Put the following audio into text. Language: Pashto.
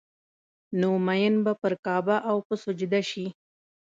نو مين به پر کعبه او په سجده شي